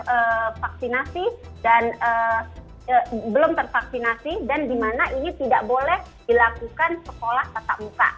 untuk level empat yang belum tervaksinasi dan di mana ini tidak boleh dilakukan sekolah tetap muka